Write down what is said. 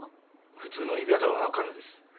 普通の指輪ではあかんのです。